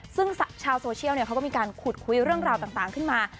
ซึ่งชาวโซเชียลเขาก็มีการขุดคุยเรื่องราวต่างขึ้นมา